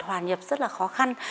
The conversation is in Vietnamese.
hòa nhập rất là khó khăn